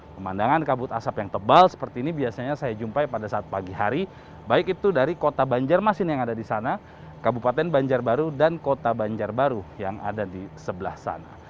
pemandangan kabut asap yang tebal seperti ini biasanya saya jumpai pada saat pagi hari baik itu dari kota banjarmasin yang ada di sana kabupaten banjarbaru dan kota banjarbaru yang ada di sebelah sana